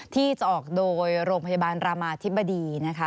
ที่จะออกโดยโรงพยาบาลรามาธิบดีนะคะ